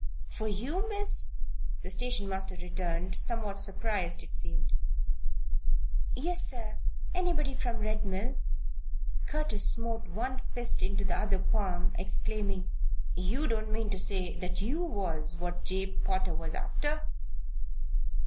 "For you, Miss?" the station master returned, somewhat surprised it seemed. "Yes, sir. Anybody from Red Mill?" Curtis smote one fist into his other palm, exclaiming: "You don't mean to say that you was what Jabe Potter was after?"